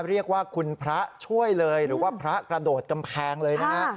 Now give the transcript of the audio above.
เรียกว่าคุณพระช่วยเลยหรือว่าพระกระโดดกำแพงเลยนะฮะ